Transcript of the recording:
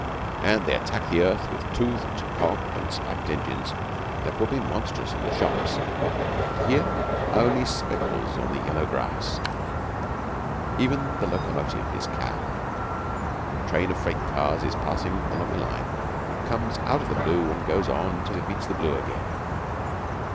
And they attack the earth with toothed, cogged, and spiked engines that would be monstrous in the shops, but here are only speckles on the yellow grass. Even the locomotive is cowed. A train of freight cars is passing along a line that comes out of the blue and goes on till it meets the blue again.